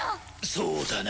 そうだな。